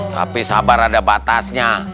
tapi sabar ada batasnya